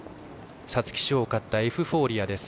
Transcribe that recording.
皐月賞を勝ったエフフォーリアです。